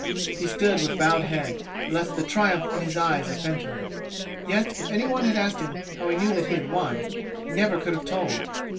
He stood with bowed head, lest the triumph in his eyes offend her. Yet if any one had asked him how he knew that he had won, he never could have told.